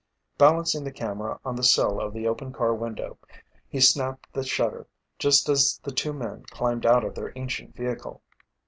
Balancing the camera on the sill of the open car window, he snapped the shutter just as the two men climbed out of their ancient vehicle.